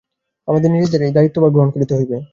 আমাদের নিজেদের এই দায়িত্বভার গ্রহণ করিতে হইবে।